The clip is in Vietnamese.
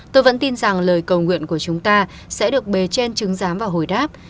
tôi vẫn tin rằng lời cầu nguyện của chúng ta sẽ được bề trên chứng giám và hồi đáp